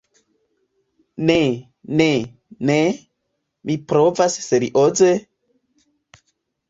Ne, ne, ne... mi provas serioze...